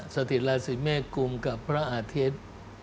สถิติลาศิเมษย์กลุ่มกับพระอาทิตย์